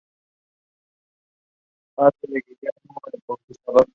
Philippe Roussel está considerado uno de los fundadores del campo de la programación lógica.